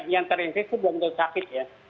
yang terinfeksi itu bukan untuk sakit ya